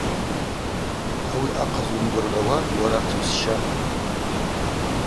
Ауи ахъаз уымгвыргӏвауа уара тшпсща.